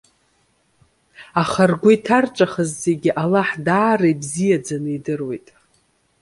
Аха ргәы иҭарҵәахыз зегьы, Аллаҳ даара ибзиаӡаны идыруеит.